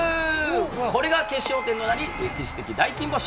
これが決勝点となり、歴史的大金星。